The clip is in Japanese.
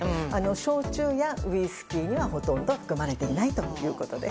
焼酎やウイスキーにはほとんど含まれていないということです。